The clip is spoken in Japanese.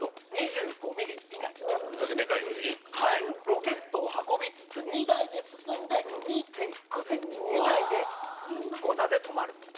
ロケットを運びつつ２台で進んで２．５ｃｍ以内で誤差で止まると。